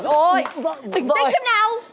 tỉnh tinh tiếp nào